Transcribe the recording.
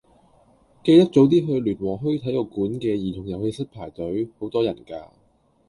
記得早啲去聯和墟體育館嘅兒童遊戲室排隊，好多人㗎。